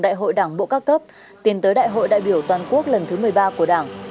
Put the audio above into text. đại hội đảng bộ các cấp tiến tới đại hội đại biểu toàn quốc lần thứ một mươi ba của đảng